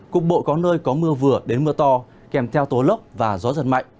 cục bộ có nơi có mưa vừa đến mưa to kèm theo tố lốc và gió giật mạnh